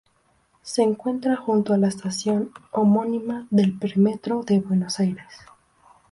Se encuentra junto a la estación homónima del Premetro de Buenos Aires.